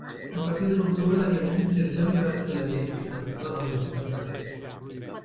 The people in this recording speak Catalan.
A partir de l'octubre d'aquell any, Sir John va ser elegit vicerector de la Universitat de Bristol.